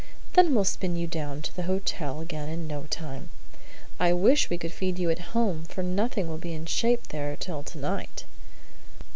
Then we'll spin you down to the hotel again in no time. I wish we could feed you at home, but nothing will be in shape there till to night."